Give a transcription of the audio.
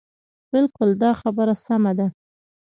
بلکل دا خبره سمه ده.